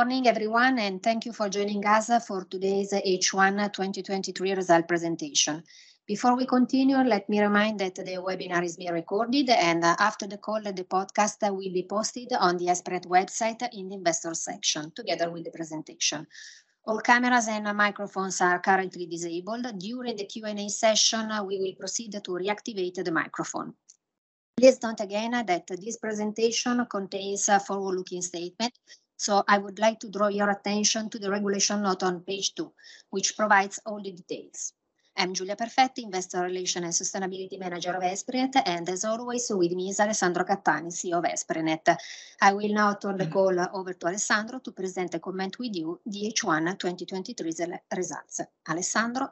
Morning everyone, and thank you for joining us for today's H1 2023 results presentation. Before we continue, let me remind that today's webinar is being recorded, and after the call, the podcast will be posted on the Esprinet website in the investor section, together with the presentation. All cameras and microphones are currently disabled. During the Q&A session, we will proceed to reactivate the microphone. Please note again that this presentation contains a forward-looking statement, so I would like to draw your attention to the regulation note on page two, which provides all the details. I'm Giulia Perfetti, Investor Relations and Sustainability Manager of Esprinet, and as always, with me is Alessandro Cattani, CEO of Esprinet. I will now turn the call over to Alessandro to present and comment with you the H1 2023 results. Alessandro?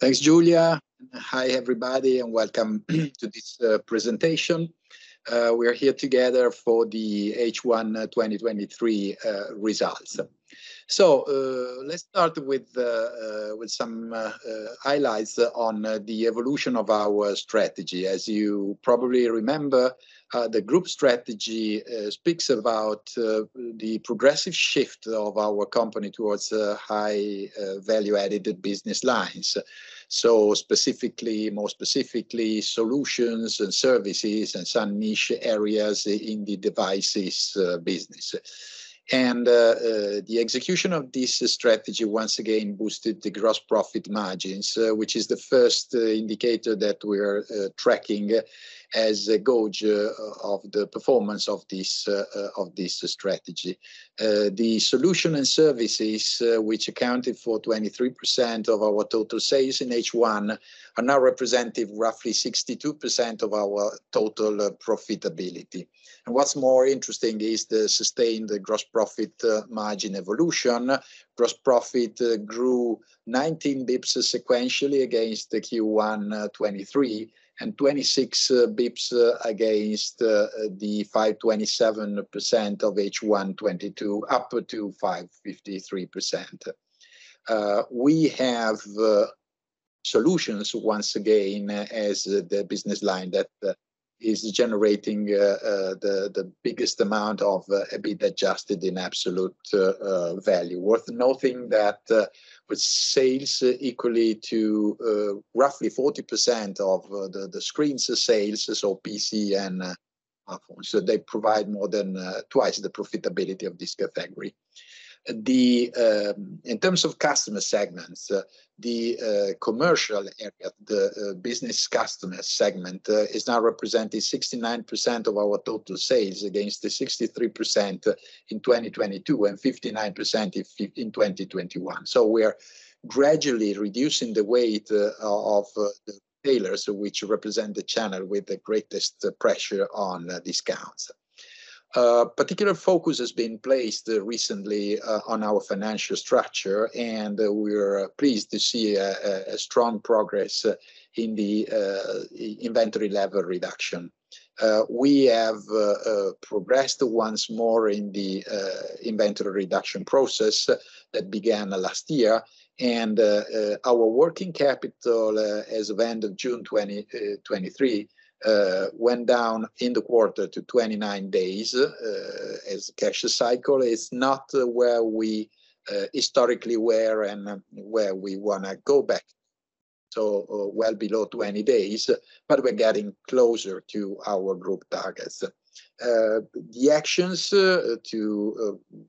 Thanks, Giulia. Hi, everybody, and welcome to this presentation. We are here together for the H1 2023 results. So, let's start with some highlights on the evolution of our strategy. As you probably remember, the group strategy speaks about the progressive shift of our company towards high value-added business lines. So specifically, more specifically, solutions and services and some niche areas in the devices business. And the execution of this strategy once again boosted the gross profit margins, which is the first indicator that we are tracking as a gauge of the performance of this strategy. The solutions and services, which accounted for 23% of our total sales in H1, are now representing roughly 62% of our total profitability. What's more interesting is the sustained gross profit margin evolution. Gross profit grew 19 basis point sequentially against the Q1 2023, and 26 basis point against the 5.27% of H1 2022, up to 5.53%. We have solutions once again as the business line that is generating the biggest amount of EBIT adjusted in absolute value. Worth noting that, with sales equal to roughly 40% of the screens sales, so PC and smartphones, so they provide more than twice the profitability of this category. In terms of customer segments, the commercial area, the business customer segment, is now representing 69% of our total sales, against the 63% in 2022 and 59% in 2021. So we are gradually reducing the weight of the retailers, which represent the channel with the greatest pressure on discounts. Particular focus has been placed recently on our financial structure, and we are pleased to see a strong progress in the inventory level reduction. We have progressed once more in the inventory reduction process that began last year, and our working capital as of end of June 2023 went down in the quarter to 29 days, as cash cycle is not where we historically were and where we wanna go back to well below 20 days, but we're getting closer to our group targets. The actions to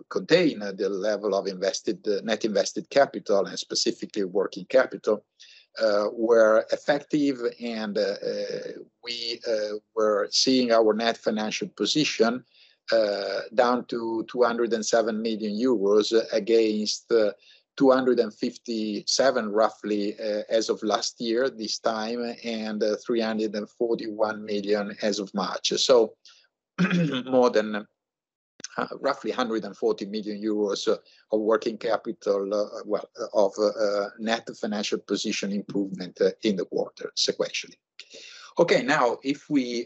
contain the level of net invested capital, and specifically working capital, were effective and we were seeing our net financial position down to 207 million euros against 257 million, roughly, as of last year this time, and 341 million as of March. So more than roughly 140 million euros of working capital, well, of net financial position improvement, in the quarter sequentially. Okay, now, if we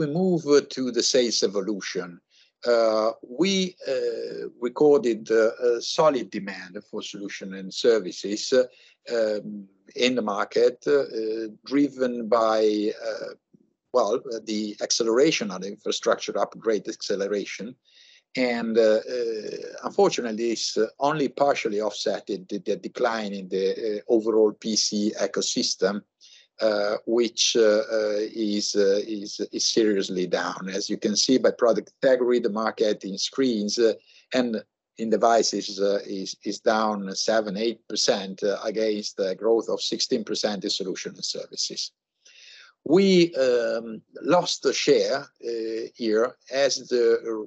move to the sales evolution, we recorded a solid demand for solution and services in the market, driven by well, the acceleration of the infrastructure upgrade acceleration. And unfortunately, it's only partially offset the decline in the overall PC ecosystem, which is seriously down. As you can see by product category, the market in screens and in devices is down 7%-8%, against the growth of 16% in solution and services. We lost a share here as the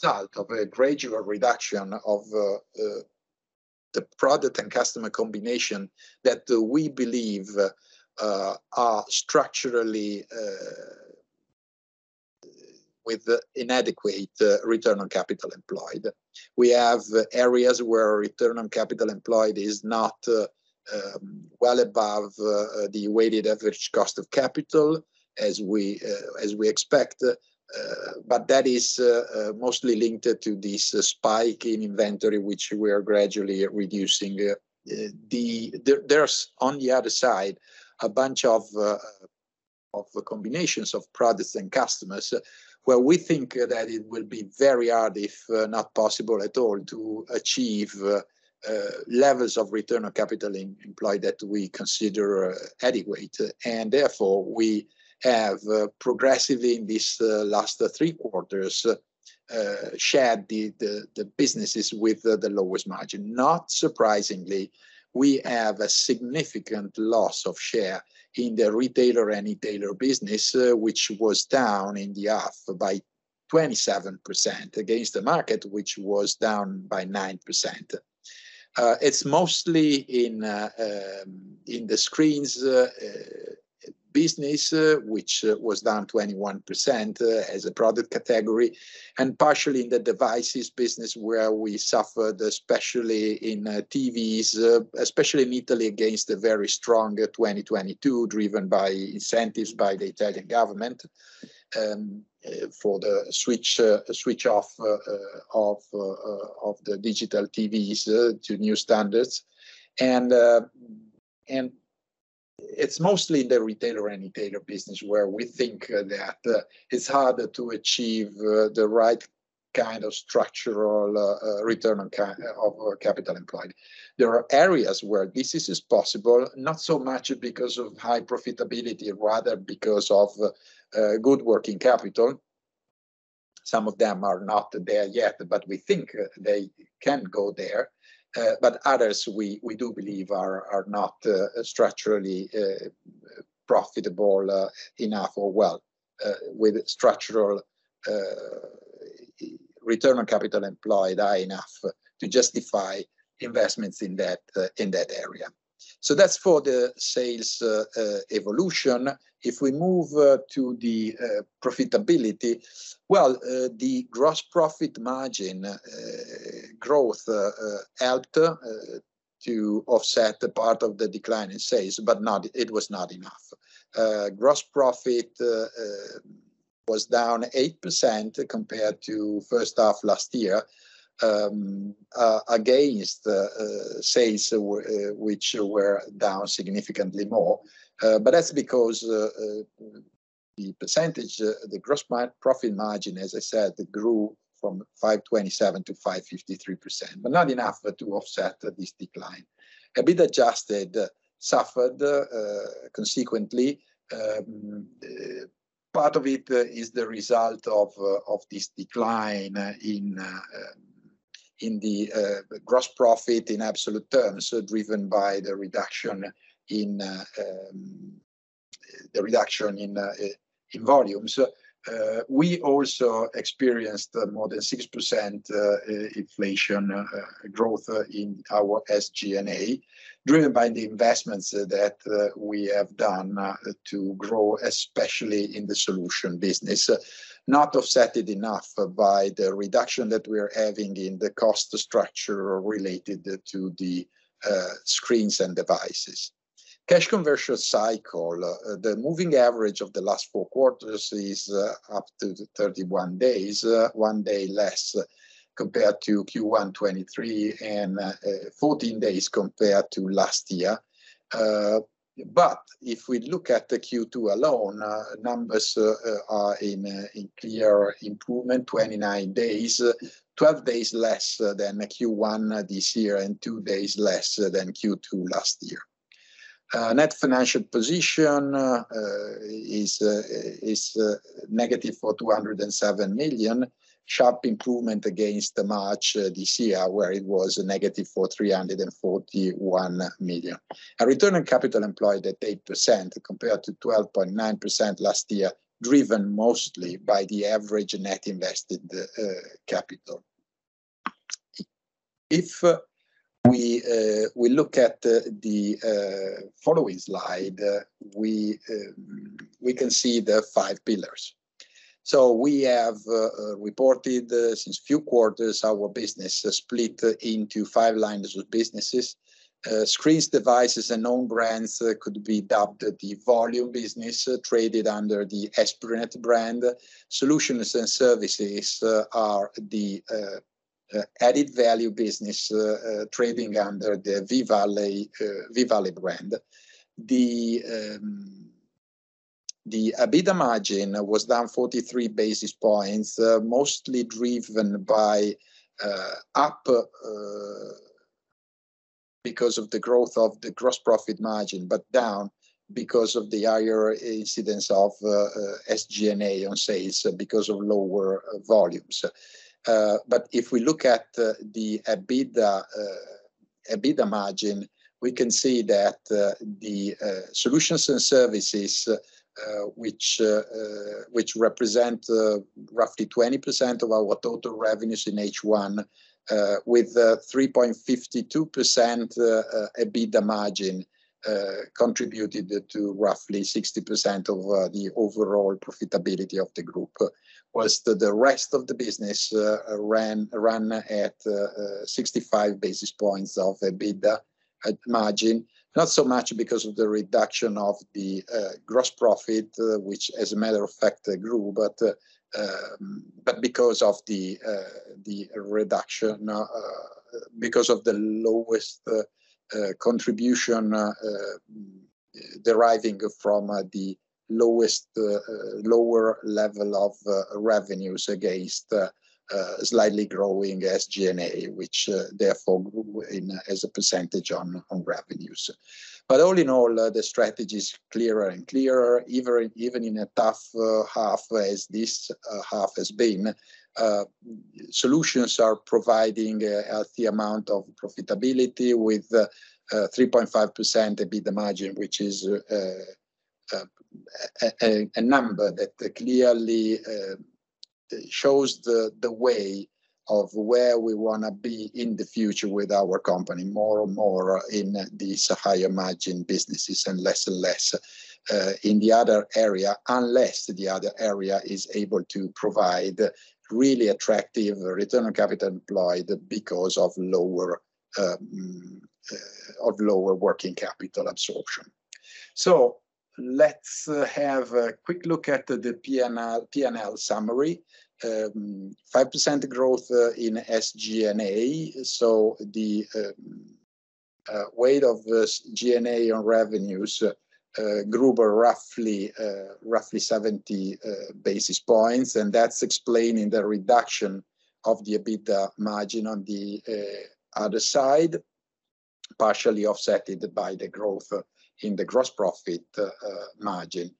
result of a gradual reduction of the product and customer combination that we believe are structurally with inadequate return on capital employed. We have areas where return on capital employed is not well above the weighted average cost of capital, as we expect, but that is mostly linked to this spike in inventory, which we are gradually reducing. There's, on the other side, a bunch of the combinations of products and customers, where we think that it will be very hard, if not possible at all, to achieve levels of return on capital employed that we consider adequate. Therefore, we have progressively, in this last three quarters, shared the businesses with the lowest margin. Not surprisingly, we have a significant loss of share in the retailer and e-tailer business, which was down in the half by 27% against the market, which was down by 9%. It's mostly in the screens business, which was down 21% as a product category, and partially in the devices business, where we suffered, especially in TVs, especially in Italy, against a very strong 2022, driven by incentives by the Italian government, for the switch off of the digital TVs to new standards. It's mostly the retailer and e-tailer business, where we think that it's harder to achieve the right kind of structural return on capital employed. There are areas where this is possible, not so much because of high profitability, rather because of good working capital. Some of them are not there yet, but we think they can go there. But others, we do believe are not structurally profitable enough, or well, with structural return on capital employed high enough to justify investments in that area. So that's for the sales evolution. If we move to the profitability, well, the gross profit margin growth helped to offset the part of the decline in sales, but not—it was not enough. Gross profit was down 8% compared to first half last year, against sales, which were down significantly more. But that's because the percentage, the gross profit margin, as I said, grew from 5.27%-5.53%, but not enough to offset this decline. EBITDA adjusted suffered consequently. Part of it is the result of this decline in the gross profit in absolute terms, driven by the reduction in volume. So, we also experienced more than 6% inflation growth in our SG&A, driven by the investments that we have done to grow, especially in the solution business. Not offset enough by the reduction that we are having in the cost structure related to the screens and devices. Cash conversion cycle, the moving average of the last four quarters is up to the 31 days, one day less compared to Q1 2023, and 14 days compared to last year. But if we look at the Q2 alone numbers, are in clear improvement, 29 days, 12 days less than Q1 this year, and two days less than Q2 last year. Net financial position is -407 million. Sharp improvement against the March this year, where it was a negative 441 million. A return on capital employed at 8%, compared to 12.9% last year, driven mostly by the average net invested capital. If we look at the following slide, we can see the five pillars. So we have reported since few quarters our business split into five lines of businesses. Screens, devices, and own brands could be dubbed the volume business, traded under the Esprinet brand. Solutions and services are the added value business, trading under the V-Valley brand. The EBITDA margin was down 43 basis points, mostly driven by up because of the growth of the gross profit margin, but down because of the higher incidence of SG&A on sales because of lower volumes. But if we look at the EBITDA margin, we can see that the solutions and services, which represent roughly 20% of our total revenues in H1, with 3.52% EBITDA margin, contributed to roughly 60% of the overall profitability of the group. Whilst the rest of the business ran at 65 basis points of EBITDA margin, not so much because of the reduction of the gross profit, which, as a matter of fact, grew, but But because of the reduction because of the lowest contribution deriving from the lowest lower level of revenues against slightly growing SG&A, which therefore in as a percentage on revenues. But all in all, the strategy is clearer and clearer, even even in a tough half, as this half has been. Solutions are providing a healthy amount of profitability with 3.5% EBITDA margin, which is a number that clearly shows the way of where we want to be in the future with our company, more and more in these higher margin businesses, and less and less in the other area, unless the other area is able to provide really attractive return on capital employed because of lower of lower working capital absorption. So let's have a quick look at the P&L, P&L summary. 5% growth in SG&A, so the weight of this G&A on revenues grew by roughly roughly 70 basis points, and that's explaining the reduction of the EBITDA margin on the other side, partially offsetted by the growth in the gross profit margin.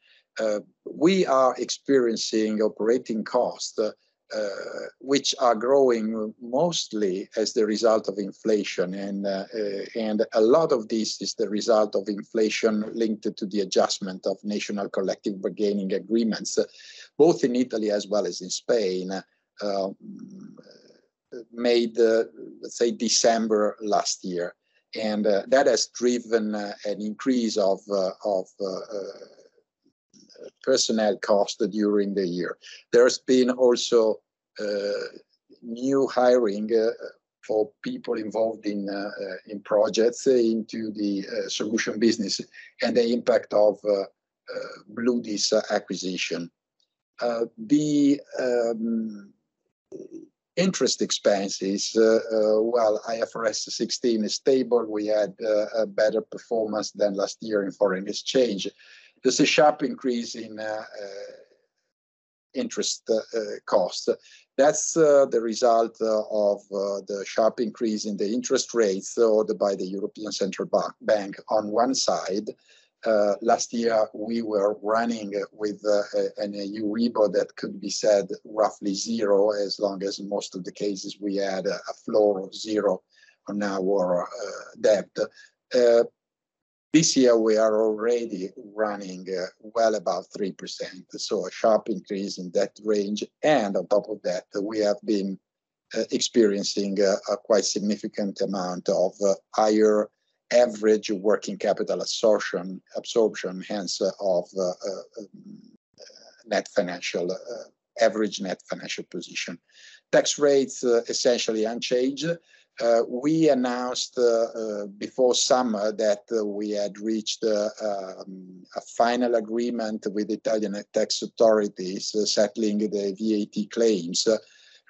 We are experiencing operating costs, which are growing mostly as the result of inflation, and a lot of this is the result of inflation linked to the adjustment of national collective bargaining agreements, both in Italy as well as in Spain, made, say, December last year, and that has driven an increase of personnel costs during the year. There's been also new hiring for people involved in projects into the solution business and the impact of Bludis acquisition. The interest expenses, well, IFRS 16 is stable. We had a better performance than last year in foreign exchange. There's a sharp increase in interest cost. That's the result of the sharp increase in the interest rates by the European Central Bank on one side. Last year, we were running with a Euribor that could be said roughly zero, as long as in most of the cases we had a floor of zero on our debt. This year we are already running well above 3%, so a sharp increase in that range, and on top of that, we have been experiencing a quite significant amount of higher average working capital absorption, hence of average net financial position. Tax rates essentially unchanged. We announced before summer that we had reached a final agreement with Italian tax authorities, settling the VAT claims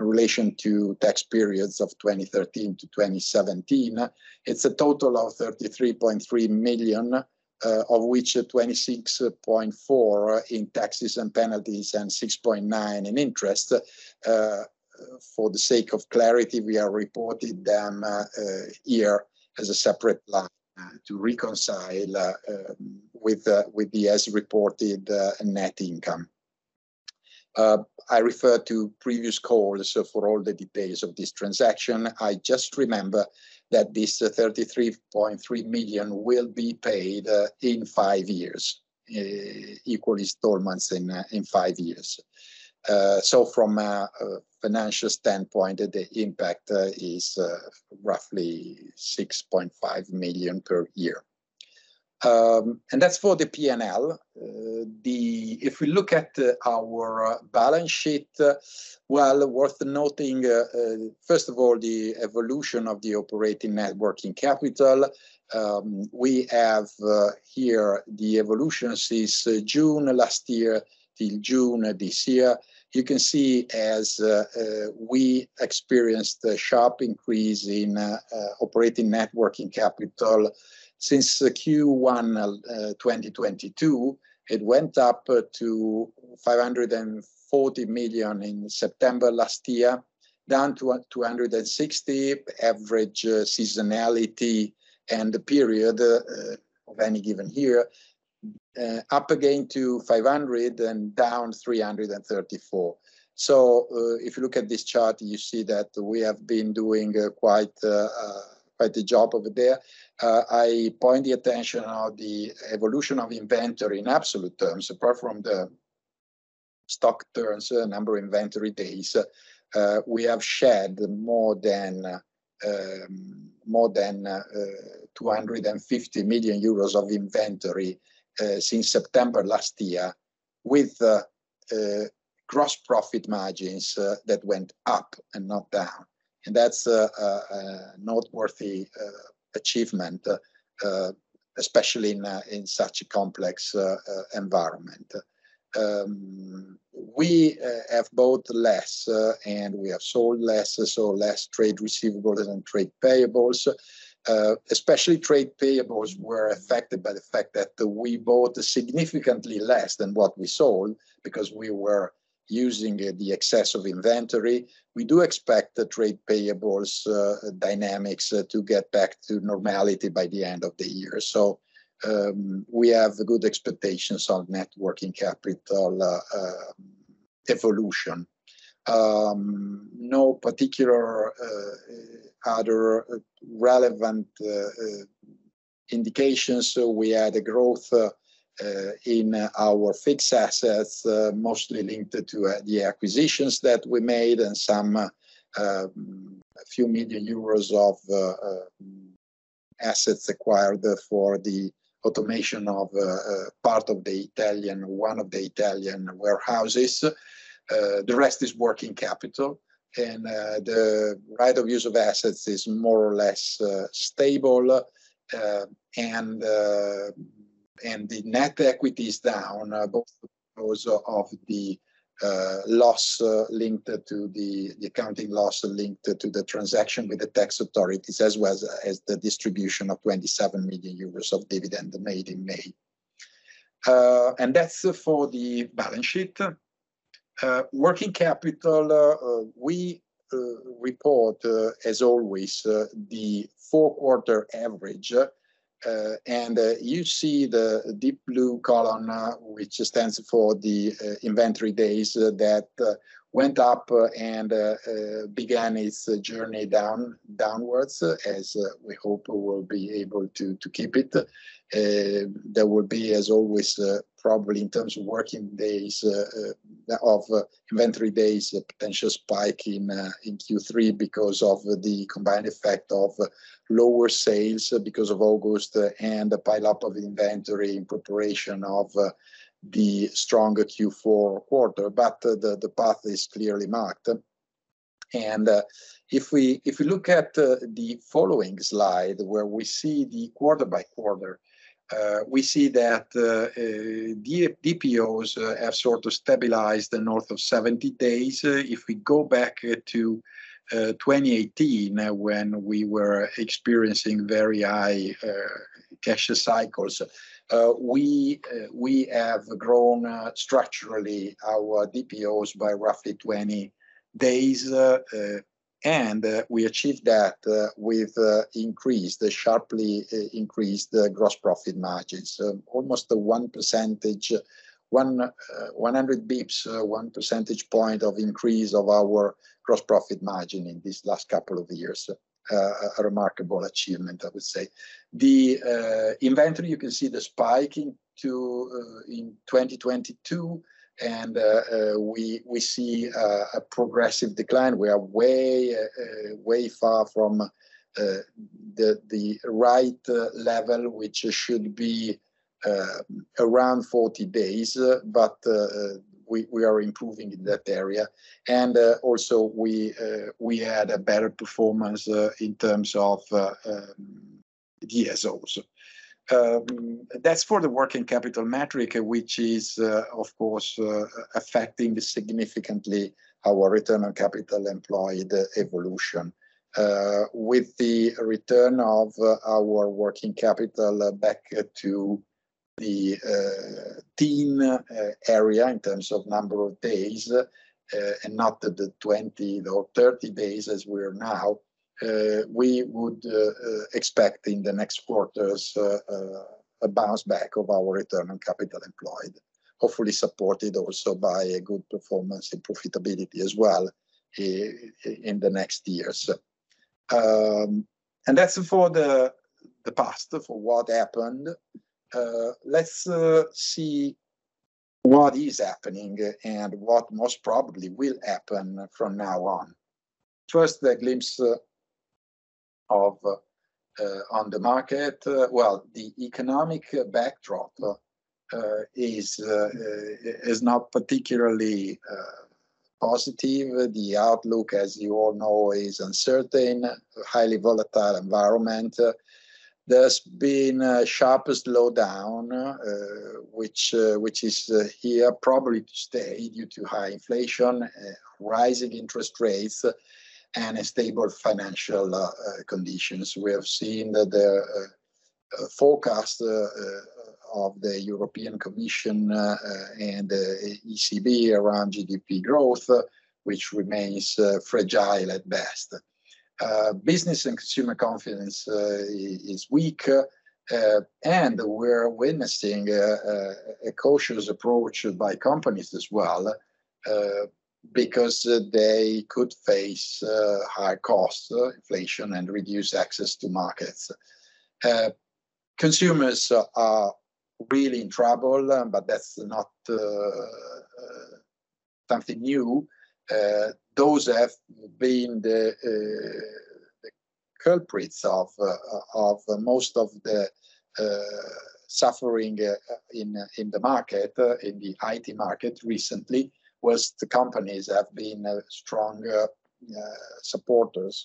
in relation to tax periods of 2013 to 2017. It's a total of 33.3 million, of which 26.4 in taxes and penalties, and 6.9 in interest. For the sake of clarity, we are reporting them here as a separate line to reconcile with the as-reported net income. I refer to previous calls for all the details of this transaction. I just remember that this 33.3 million will be paid in five years equal installments in five years. So from a financial standpoint, the impact is roughly 6.5 million per year. And that's for the P&L. If we look at our balance sheet, well, worth noting, first of all, the evolution of the operating net working capital. We have here the evolution since June last year till June this year. You can see as we experienced a sharp increase in operating net working capital since Q1 2022. It went up to 540 million in September last year, down to 260 million, average seasonality, and the period of any given year, up again to 500 million and down to 334 million. So, if you look at this chart, you see that we have been doing quite quite a job over there. I point the attention on the evolution of inventory in absolute terms, apart from the stock turns, number of inventory days. We have shared more than 250 million euros of inventory since September last year with gross profit margins that went up and not down and that's a noteworthy achievement especially in such a complex environment. We have bought less and we have sold less, so less trade receivables and trade payables. Especially trade payables were affected by the fact that we bought significantly less than what we sold because we were using the excess of inventory. We do expect the trade payables dynamics to get back to normality by the end of the year. So, we have good expectations on net working capital evolution. No particular other relevant indications, so we had a growth in our fixed assets, mostly linked to the acquisitions that we made and some a few million EUR of assets acquired for the automation of part of the Italian one of the Italian warehouses. The rest is working capital, and the rate of use of assets is more or less stable. And the net equity is down, both because of the loss linked to the accounting loss linked to the transaction with the tax authorities, as well as the distribution of 27 million euros of dividend made in May. And that's for the balance sheet. Working capital, we report, as always, the 4-quarter average. And, you see the deep blue column, which stands for the inventory days, that went up and began its journey downwards, as we hope we'll be able to keep it. There will be, as always, probably in terms of working days of inventory days, a potential spike in Q3 because of the combined effect of lower sales, because of August, and the pile-up of inventory in preparation of the stronger Q4 quarter. But the path is clearly marked. And, if we look at the following slide, where we see the quarter by quarter, we see that DPOs have sort of stabilized the north of 70 days. If we go back to 2018, when we were experiencing very high cash cycles, we have grown structurally our DPOs by roughly 20 days. And we achieved that with the sharply increased gross profit margins. Almost 1 percentage point, 100 bps, of increase of our gross profit margin in these last couple of years. A remarkable achievement, I would say. The inventory, you can see the spike in 2022, and we see a progressive decline. We are way way far from the right level, which should be around 40 days, but we are improving in that area. Also, we had a better performance in terms of DSOs. That's for the working capital metric, which is, of course, affecting significantly our return on capital employed evolution. With the return of our working capital back to the teen area in terms of number of days, and not the 20 or 30 days as we are now, we would expect in the next quarters a bounce back of our return on capital employed, hopefully supported also by a good performance and profitability as well, in the next years. That's for the past, for what happened. Let's see what is happening and what most probably will happen from now on. First, a glimpse on the market. Well, the economic backdrop is not particularly positive. The outlook, as you all know, is uncertain, highly volatile environment. There's been a sharp slowdown, which is here probably to stay due to high inflation, rising interest rates, and stable financial conditions. We have seen the forecast of the European Commission and ECB around GDP growth, which remains fragile at best. Business and consumer confidence is weak, and we're witnessing a cautious approach by companies as well, because they could face high costs, inflation, and reduced access to markets. Consumers are really in trouble, but that's not something new. Those have been the... Culprits of most of the suffering in the market in the IT market recently was the companies have been strong supporters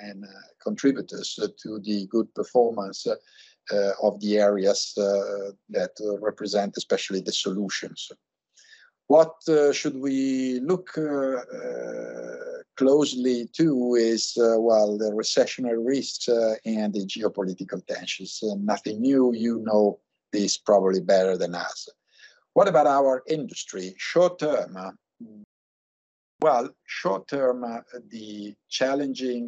and contributors to the good performance of the areas that represent especially the solutions. What should we look closely to is, well, the recessionary risks and the geopolitical tensions, and nothing new, you know this probably better than us. What about our industry? Short term... Well, short term, the challenging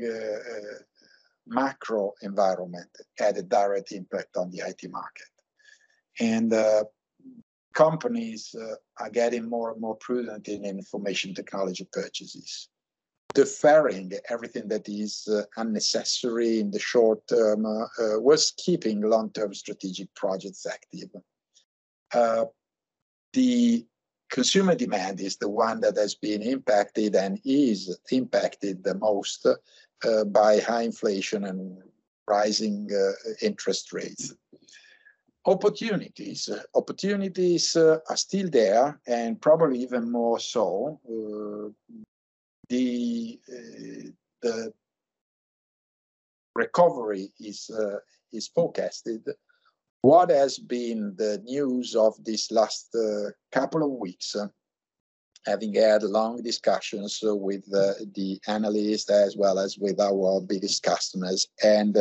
macro environment had a direct impact on the IT market. Companies are getting more and more prudent in information technology purchases, deferring everything that is unnecessary in the short term while keeping long-term strategic projects active. The consumer demand is the one that has been impacted and is impacted the most by high inflation and rising interest rates. Opportunities are still there, and probably even more so. The recovery is forecasted. What has been the news of this last couple of weeks, having had long discussions with the analyst, as well as with our biggest customers and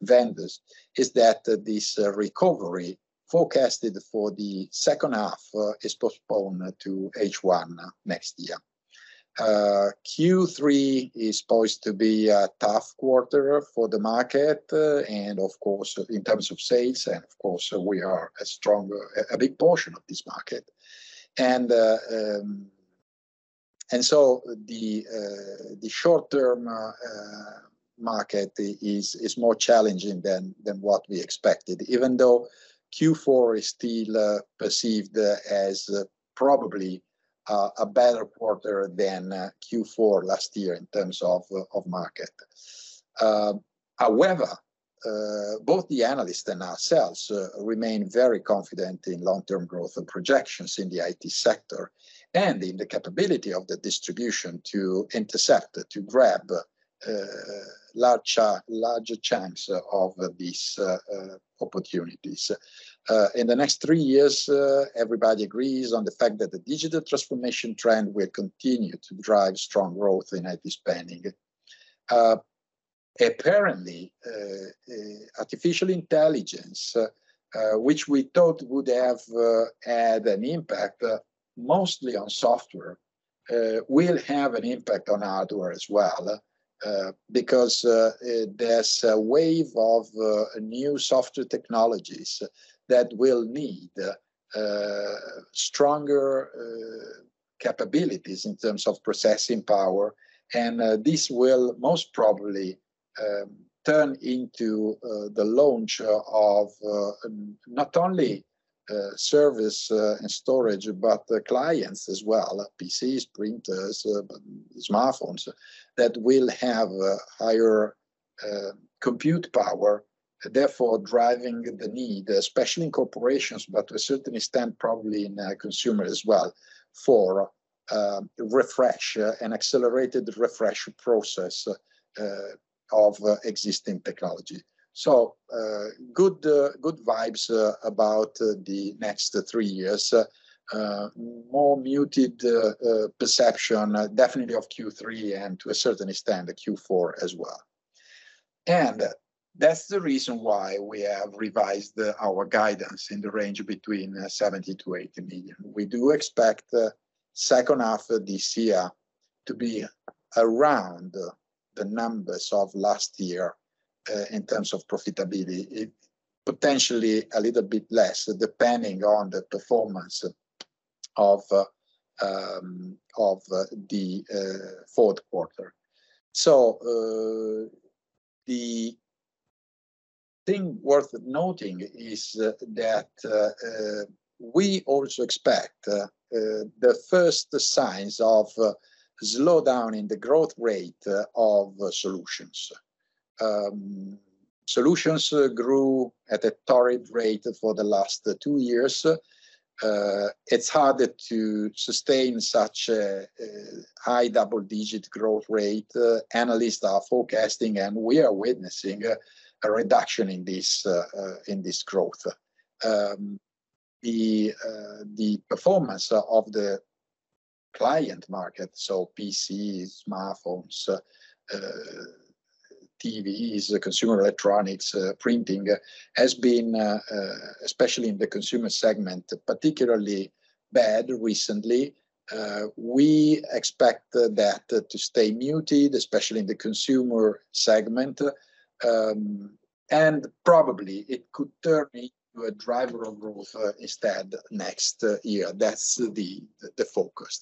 vendors, is that this recovery forecasted for the second half is postponed to H1 next year. Q3 is poised to be a tough quarter for the market, and of course, in terms of sales, and of course, we are a strong, big portion of this market. So the short-term market is more challenging than what we expected, even though Q4 is still perceived as probably a better quarter than Q4 last year in terms of market. However, both the analysts and ourselves remain very confident in long-term growth and projections in the IT sector, and in the capability of the distribution to intercept, to grab larger chunks of these opportunities. In the next three years, everybody agrees on the fact that the digital transformation trend will continue to drive strong growth in IT spending. Apparently, artificial intelligence, which we thought would have had an impact mostly on software, will have an impact on hardware as well, because there's a wave of new software technologies that will need stronger capabilities in terms of processing power. And this will most probably turn into the launch of not only servers and storage, but the clients as well, PCs, printers, smartphones, that will have a higher compute power, therefore driving the need, especially in corporations, but to a certain extent, probably in consumer as well, for an accelerated refresh process of existing technology. So good vibes about the next three years. More muted perception definitely of Q3, and to a certain extent, Q4 as well. That's the reason why we have revised our guidance in the range between 70 million-80 million. We do expect the second half of this year to be around the numbers of last year in terms of profitability. It potentially a little bit less, depending on the performance of the fourth quarter. So the thing worth noting is that we also expect the first signs of a slowdown in the growth rate of solutions. Solutions grew at a torrid rate for the last two years. It's harder to sustain such a high double-digit growth rate. Analysts are forecasting, and we are witnessing, a reduction in this growth. The performance of the client market, so PCs, smartphones, TVs, consumer electronics, printing, has been especially in the consumer segment, particularly bad recently. We expect that to stay muted, especially in the consumer segment, and probably it could turn into a driver of growth, instead next year. That's the focus.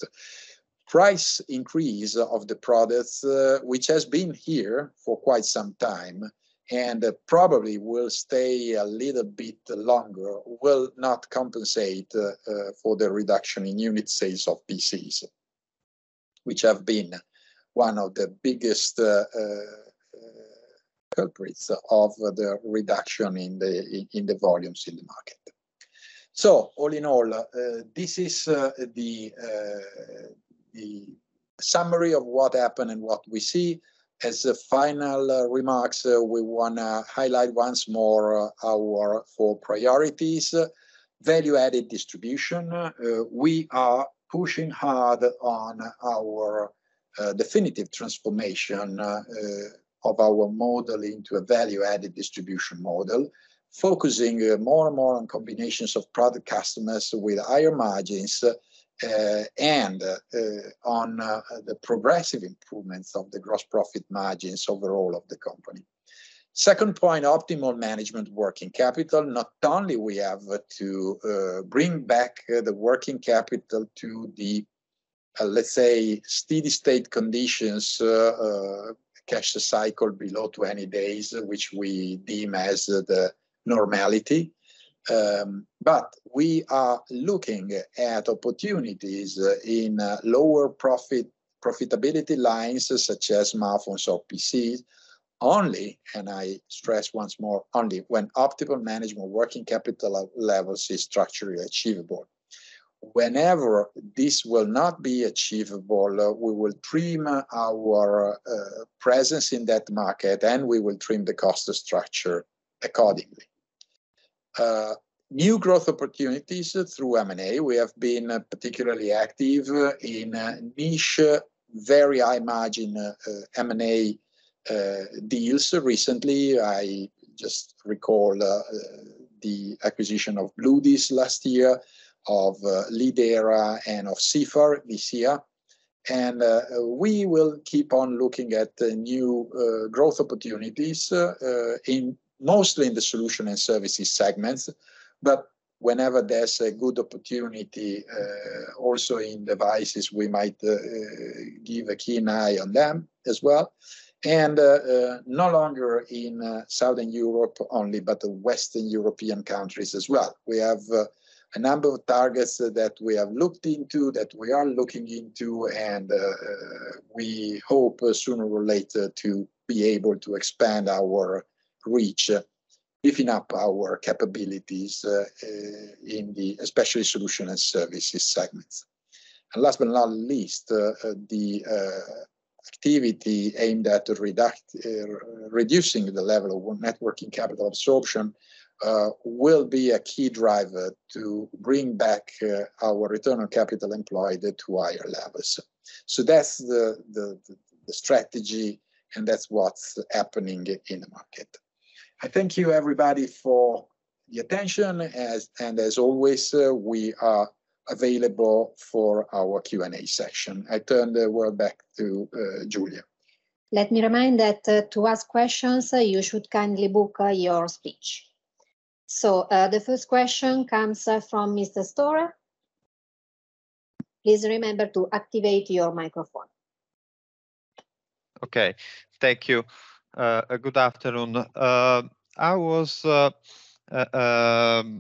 Price increase of the products, which has been here for quite some time and probably will stay a little bit longer, will not compensate for the reduction in unit sales of PCs which have been one of the biggest culprits of the reduction in the volumes in the market. So all in all, this is the summary of what happened and what we see. As a final remarks, we wanna highlight once more our four priorities. Value-added distribution. We are pushing hard on our definitive transformation of our model into a value-added distribution model, focusing more and more on combinations of product customers with higher margins, and on the progressive improvements of the gross profit margins overall of the company. Second point, optimal management working capital. Not only we have to bring back the working capital to the, let's say, steady-state conditions, cash cycle below 20 days, which we deem as the normality. But we are looking at opportunities in lower profitability lines, such as smartphones or PCs only, and I stress once more, only when optimal management working capital levels is structurally achievable. Whenever this will not be achievable, we will trim our presence in that market, and we will trim the cost structure accordingly. New growth opportunities through M&A. We have been particularly active in niche, very high margin M&A deals recently. I just recall the acquisition of Bludis last year, of Lidera, and of Sifar this year. We will keep on looking at the new growth opportunities mostly in the solution and services segments. But whenever there's a good opportunity also in devices, we might give a keen eye on them as well. No longer in Southern Europe only, but the Western European countries as well. We have a number of targets that we have looked into, that we are looking into, and we hope sooner or later to be able to expand our reach, lifting up our capabilities in the especially solution and services segments. And last but not least, the activity aimed at reducing the level of working net capital absorption will be a key driver to bring back our return on capital employed to higher levels. So that's the strategy, and that's what's happening in the market. I thank you, everybody, for the attention. And as always, we are available for our Q&A session. I turn the word back to Giulia. Let me remind that, to ask questions, you should kindly book, your speech. So, the first question comes from Mr. Storer. Please remember to activate your microphone. Okay. Thank you. Good afternoon.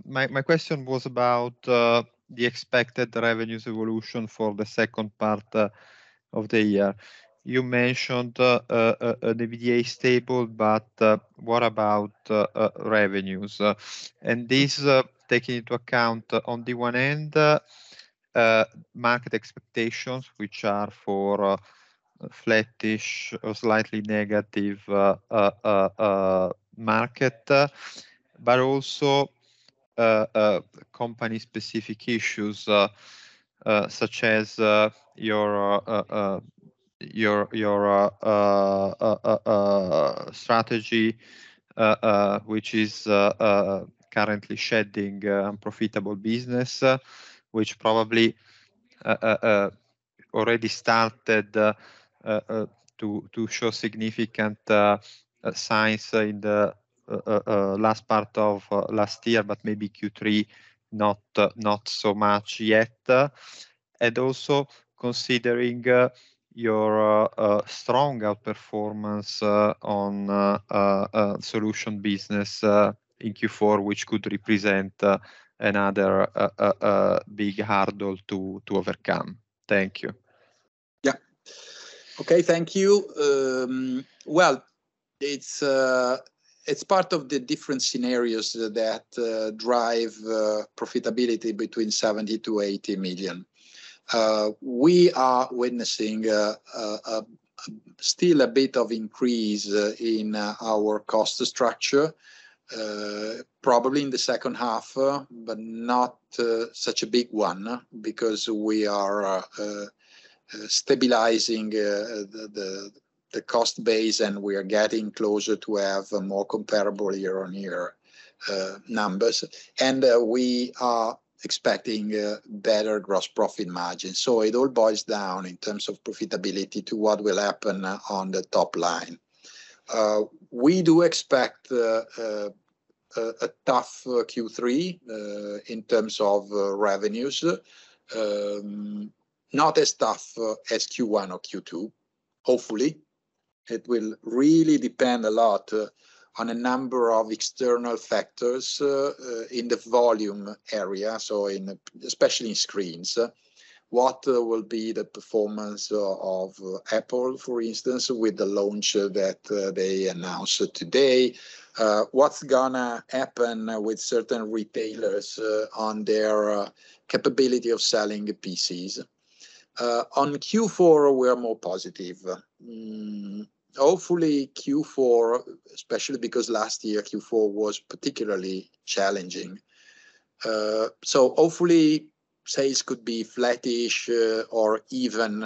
My question was about the expected revenues evolution for the second part of the year. You mentioned the EBITDA is stable, but what about revenues? And this taking into account, on the one end, market expectations, which are for flattish or slightly negative market, but also company-specific issues, such as your strategy, which is currently shedding unprofitable business. Which probably already started to show significant signs in the last part of last year, but maybe Q3, not so much yet. And also considering your strong outperformance on solution business in Q4, which could represent another big hurdle to overcome. Thank you. Yeah. Okay, thank you. Well, it's part of the different scenarios that drive profitability between 70 million to 80 million. We are witnessing still a bit of increase in our cost structure, probably in the second half, but not such a big one, because we are stabilizing the cost base, and we are getting closer to have a more comparable year-on-year numbers. And we are expecting a better gross profit margin. So it all boils down in terms of profitability to what will happen on the top line. We do expect a tough Q3 in terms of revenues, not as tough as Q1 or Q2, hopefully. It will really depend a lot on a number of external factors in the volume area, so in, especially in screens. What will be the performance of Apple, for instance, with the launch that they announced today? What's gonna happen with certain retailers on their capability of selling PCs? On Q4, we are more positive. Hopefully Q4, especially because last year, Q4 was particularly challenging. So hopefully, sales could be flattish or even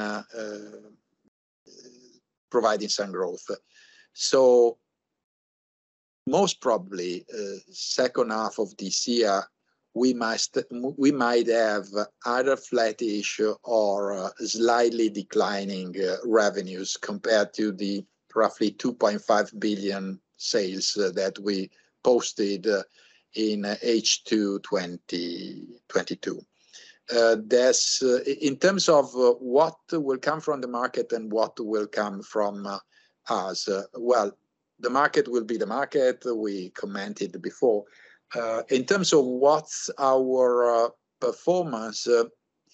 providing some growth. So most probably, second half of this year, we might have either flattish or slightly declining revenues compared to the roughly 2.5 billion sales that we posted in H2 2022. That's In terms of what will come from the market and what will come from us, well, the market will be the market. We commented before. In terms of what's our performance,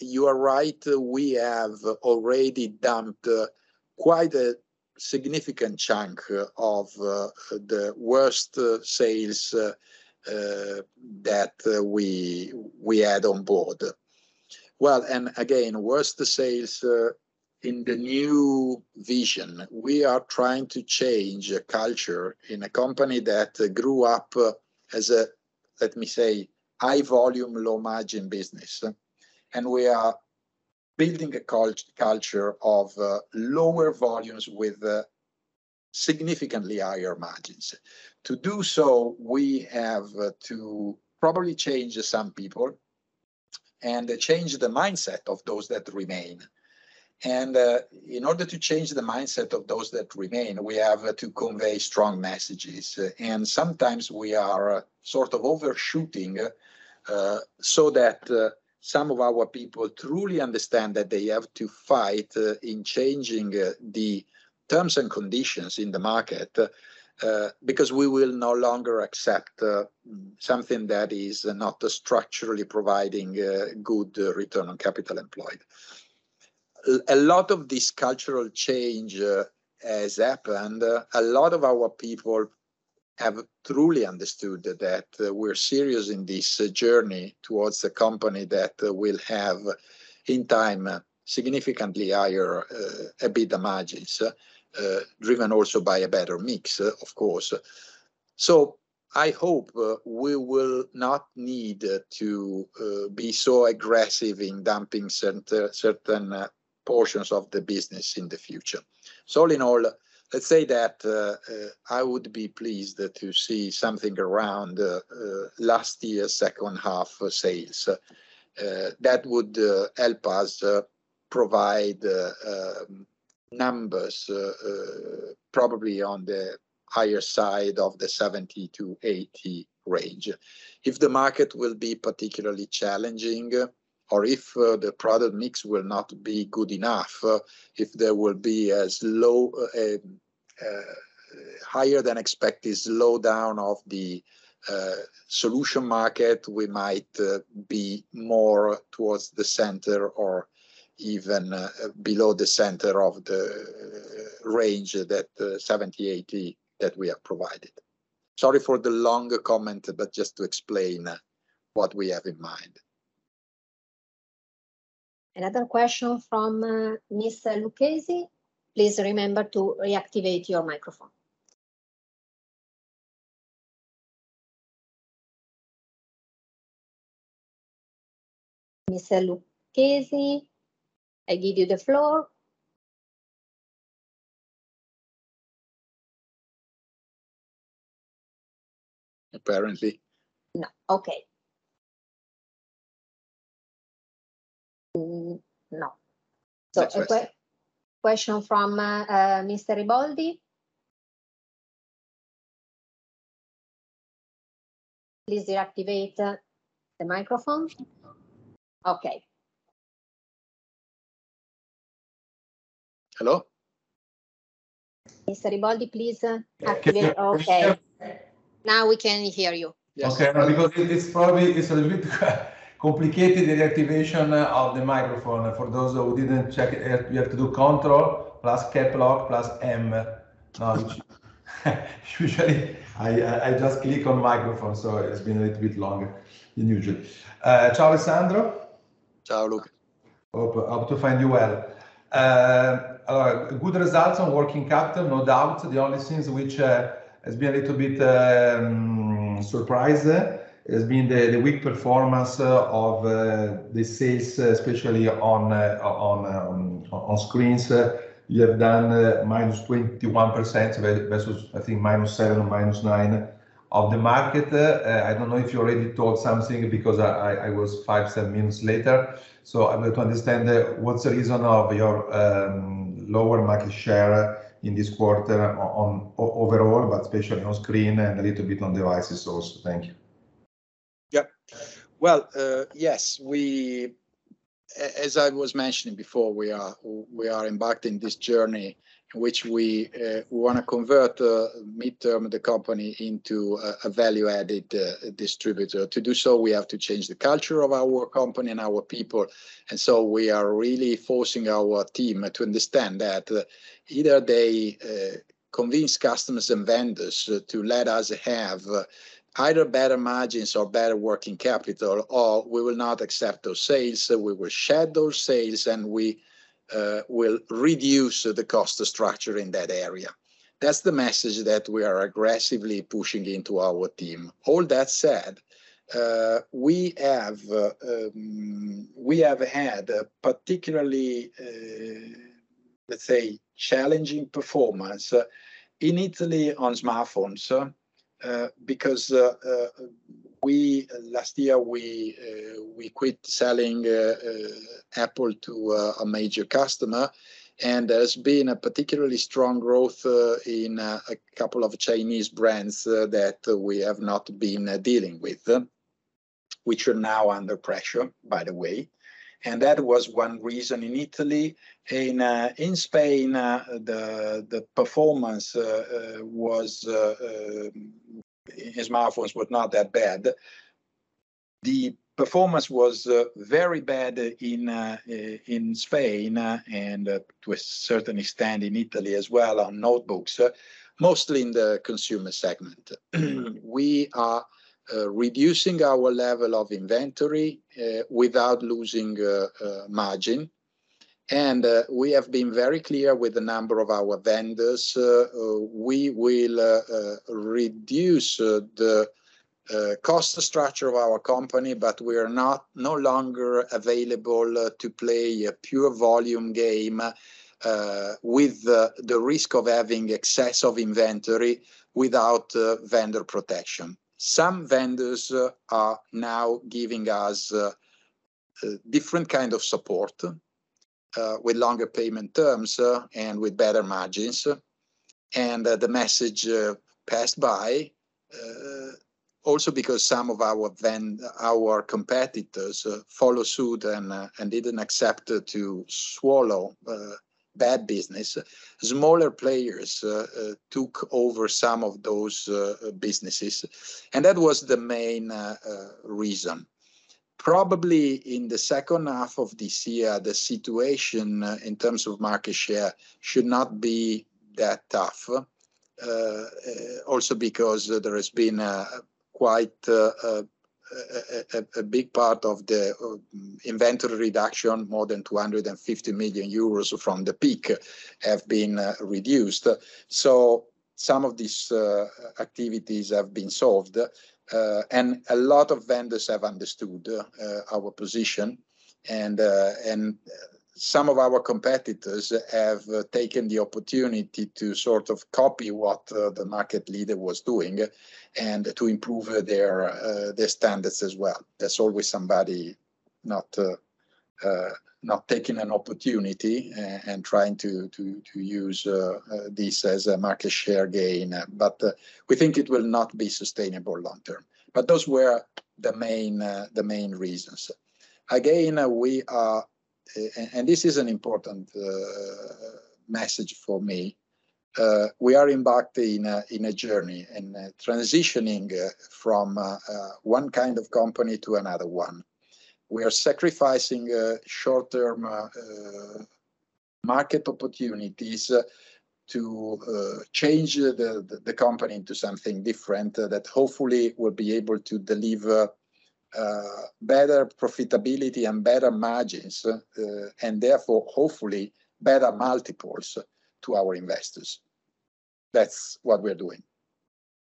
you are right, we have already dumped quite a significant chunk of the worst sales that we had on board. Well, and again, worst sales in the new vision, we are trying to change a culture in a company that grew up as a, let me say, high volume, low margin business, and we are building a culture of lower volumes with significantly higher margins. To do so, we have to probably change some people, and change the mindset of those that remain. In order to change the mindset of those that remain, we have to convey strong messages, and sometimes we are sort of overshooting, so that some of our people truly understand that they have to fight in changing the terms and conditions in the market, because we will no longer accept something that is not structurally providing good Return on Capital Employed. A lot of this cultural change has happened. A lot of our people have truly understood that we're serious in this journey towards a company that will have, in time, significantly higher EBITDA margins, driven also by a better mix, of course. So I hope we will not need to be so aggressive in dumping certain portions of the business in the future. So all in all, let's say that, I would be pleased to see something around last year, second half sales. That would help us provide numbers, probably on the higher side of the 70-80 range. If the market will be particularly challenging, or if the product mix will not be good enough, if there will be a slow, higher than expected slowdown of the solution market, we might be more towards the center or even below the center of the range, that 70-80, that we have provided. Sorry for the long comment, but just to explain what we have in mind. Another question from Mr. Lucchesi? Please remember to reactivate your microphone. Mr. Lucchesi, I give you the floor. Apparently No. Okay. No. Next question. So a question from Mr. Riboldi. Please reactivate the microphone. Okay. Hello? Mr. Riboldi, please, activate Can you hear me? Okay, now we can hear you. Yes. Okay, because it is probably, it's a little bit complicated, the reactivation of the microphone. For those who didn't check, you have to do Control plus Caps Lock plus M. Usually, I just click on microphone, so it's been a little bit longer than usual. Ciao, Alessandro. Ciao, Luke. Hope to find you well. Good results on working capital, no doubt. The only things which has been a little bit surprise has been the weak performance of the sales, especially on screens. You have done -21%, versus, I think, -7% or -9% of the market. I don't know if you already told something, because I was five to seven minutes later, so I'm going to understand what's the reason of your lower market share in this quarter overall, but especially on screen and a little bit on devices also. Thank you. Yep. Well, yes, we, as I was mentioning before, we are embarking this journey in which we wanna convert midterm the company into a value-added distributor. To do so, we have to change the culture of our company and our people, and so we are really forcing our team to understand that either they convince customers and vendors to let us have either better margins or better working capital, or we will not accept those sales, so we will shed those sales, and we will reduce the cost structure in that area. That's the message that we are aggressively pushing into our team. All that said, we have had a particularly, let's say, challenging performance in Italy on smartphones. Because last year we quit selling Apple to a major customer, and there's been a particularly strong growth in a couple of Chinese brands that we have not been dealing with, which are now under pressure, by the way, and that was one reason in Italy. In Spain, the performance in smartphones was not that bad. The performance was very bad in Spain and to a certain extent in Italy as well on notebooks, mostly in the consumer segment. We are reducing our level of inventory without losing margin, and we have been very clear with a number of our vendors. We will reduce the cost structure of our company, but we are no longer available to play a pure volume game with the risk of having excess of inventory without vendor protection. Some vendors are now giving us a different kind of support with longer payment terms and with better margins, and the message passed by also because some of our competitors followed suit and didn't accept to swallow bad business. Smaller players took over some of those businesses, and that was the main reason. Probably in the second half of this year, the situation in terms of market share should not be that tough, also because there has been quite a big part of the inventory reduction, more than 250 million euros from the peak have been reduced. So some of these activities have been solved, and a lot of vendors have understood our position, and some of our competitors have taken the opportunity to sort of copy what the market leader was doing and to improve their standards as well. There's always somebody not taking an opportunity and trying to use this as a market share gain, but we think it will not be sustainable long term. But those were the main reasons. Again, we are and this is an important message for me, we are embarking in a journey and transitioning from one kind of company to another one. We are sacrificing short-term market opportunities to change the company into something different that hopefully will be able to deliver better profitability and better margins and therefore, hopefully, better multiples to our investors. That's what we're doing.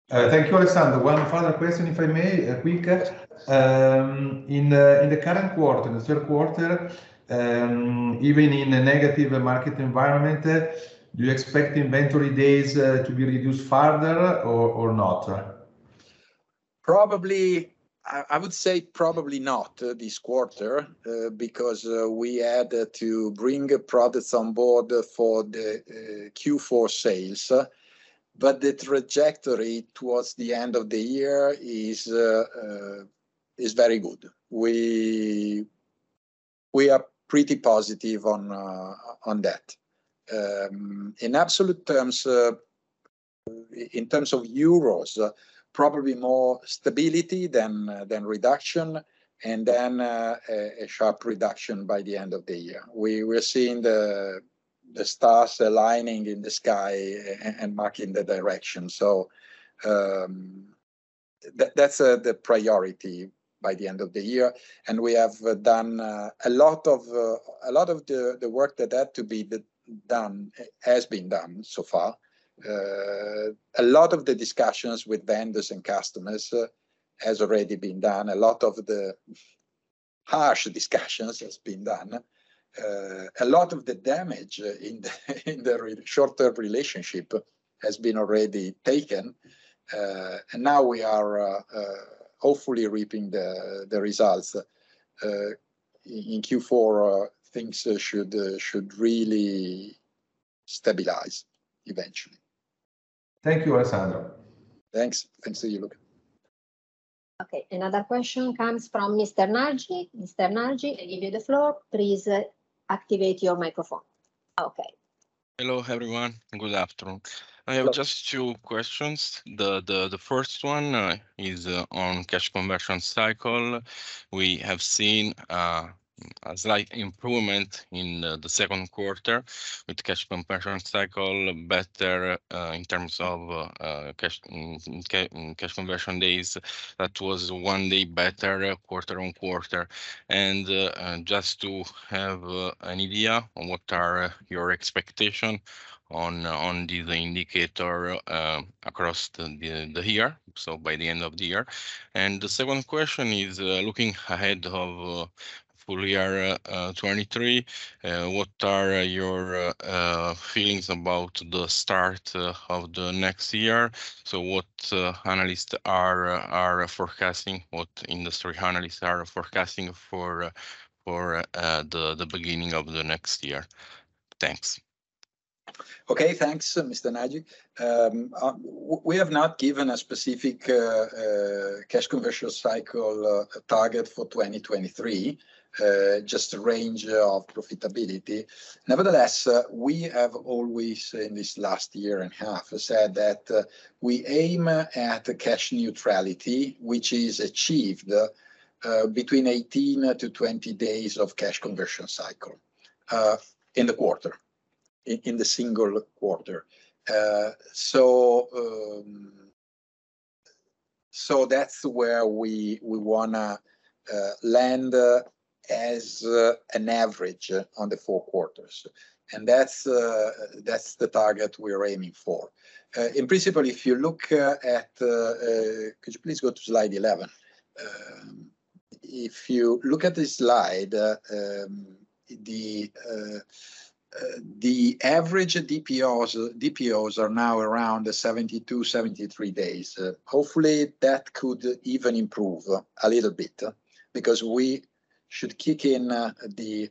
Thank you, Alessandro. One final question, if I may, a quick one. In the current quarter, the third quarter, even in a negative market environment, do you expect inventory days to be reduced further or not? Probably I would say probably not, this quarter, because we had to bring products on board for the Q4 sales, but the trajectory towards the end of the year is very good. We are pretty positive on that. In absolute terms, in terms of euros, probably more stability than reduction, and then a sharp reduction by the end of the year. We're seeing the stars aligning in the sky and marking the direction. So, that's the priority by the end of the year, and we have done a lot of the work that had to be done, has been done so far. A lot of the discussions with vendors and customers has already been done. A lot of the harsh discussions has been done. A lot of the damage in the short-term relationship has been already taken, and now we are hopefully reaping the results. In Q4, things should really sta bilize eventually. Thank you, Alessandro. Thanks. Thanks to you. Okay, another question comes from Mr. Nagy. Mr. Nagy, I give you the floor. Please, activate your microphone. Okay. Hello, everyone, and good afternoon. Hello. I have just two questions. The first one is on cash conversion cycle. We have seen a slight improvement in the second quarter with cash conversion cycle better in terms of cash conversion days. That was one day better quarter-over-quarter. Just to have an idea on what are your expectation on the indicator across the year, so by the end of the year. The second question is looking ahead of full year 2023, what are your feelings about the start of the next year? So what analysts are forecasting, what industry analysts are forecasting for the beginning of the next year? Thanks. Okay, thanks, Mr. Nagy. We have not given a specific cash conversion cycle target for 2023, just a range of profitability. Nevertheless, we have always, in this last year and half, said that we aim at the cash neutrality, which is achieved between 18-20 days of cash conversion cycle in the quarter, in the single quarter. So that's where we wanna land as an average on the four quarters, and that's the target we're aiming for. In principle, if you look at could you please go to slide 11? If you look at this slide, the average DPO, DPOs are now around 72 to 73 days. Hopefully, that could even improve a little bit, because we should kick in the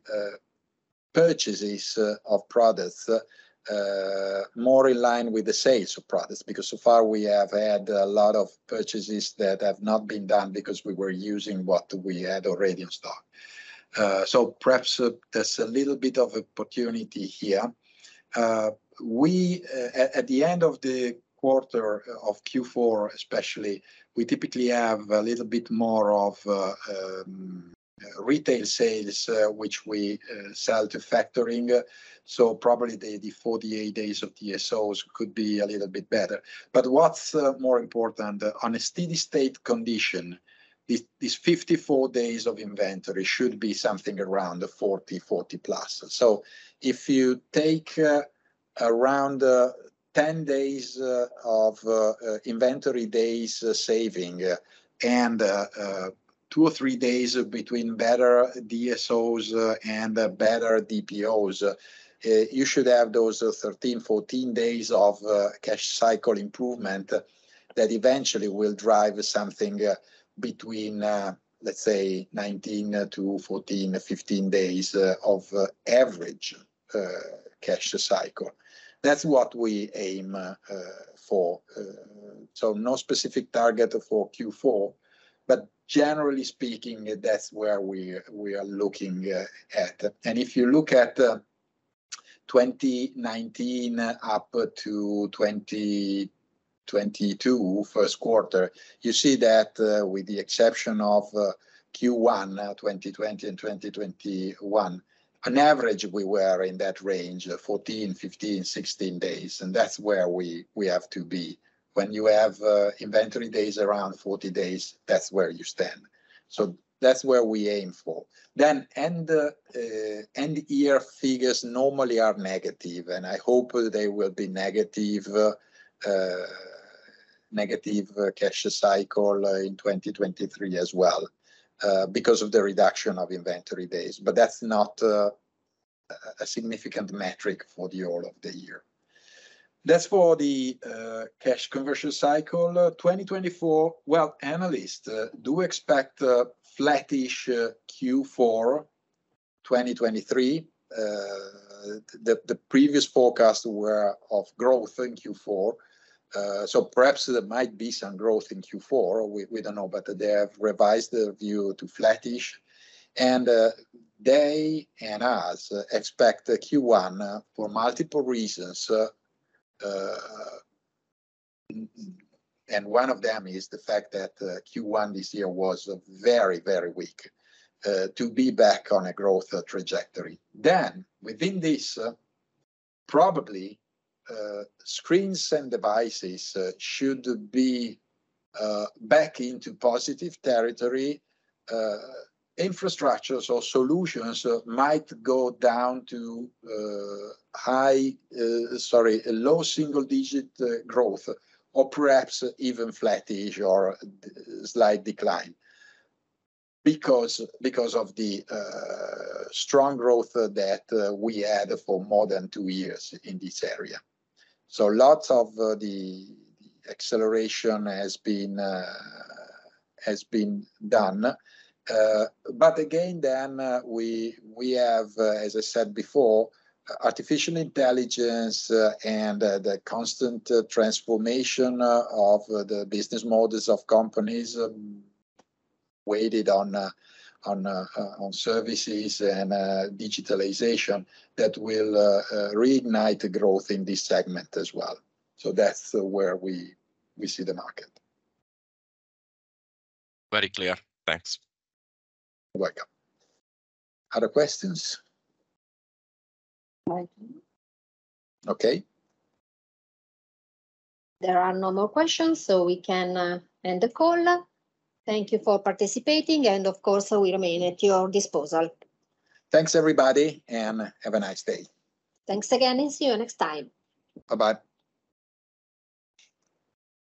purchases of products more in line with the sales of products, because so far we have had a lot of purchases that have not been done because we were using what we had already in stock. So perhaps there's a little bit of opportunity here. At the end of the quarter, of Q4 especially, we typically have a little bit more of retail sales, which we sell to factoring, so probably the 48 days of DSOs could be a little bit better. But what's more important, on a steady state condition, these 54 days of inventory should be something around the 40, 40+. If you take around 10 days of inventory days saving, and two or three days between better DSOs and better DPOs, you should have those 13-14 days of cash cycle improvement that eventually will drive something between, let's say, 19 to 14-15 days of average cash cycle. That's what we aim for, so no specific target for Q4, but generally speaking, that's where we are looking at. If you look at 2019 up to 2022 first quarter, you see that, with the exception of Q1 2020 and 2021, on average, we were in that range of 14, 15, 16 days, and that's where we have to be. When you have inventory days around 40 days, that's where you stand, so that's where we aim for. Then end year figures normally are negative, and I hope they will be negative cash cycle in 2023 as well, because of the reduction of inventory days, but that's not a significant metric for the whole of the year. That's for the cash conversion cycle. 2024, well, analysts do expect a flattish Q4 2023. The previous forecast were of growth in Q4, so perhaps there might be some growth in Q4. We don't know, but they have revised the view to flattish, and they and us expect a Q1 for multiple reasons. And one of them is the fact that Q1 this year was very, very weak to be back on a growth trajectory. Then within this, probably screens and devices should be back into positive territory. Infrastructures or solutions might go down to high, sorry, low single-digit growth, or perhaps even flattish or slight decline because because of the strong growth that we had for more than two years in this area. So lots of the acceleration has been has been done. But again, then we we have as I said before, artificial intelligence and the constant transformation of the business models of companies weighted on on on services and digitalization that will reignite growth in this segment as well. So that's where we see the market. Very clear. Thanks. You're welcome. Other questions? Thank you. Okay. There are no more questions, so we can end the call. Thank you for participating, and of course, we remain at your disposal. Thanks, everybody, and have a nice day. Thanks again, and see you next time. Bye-bye.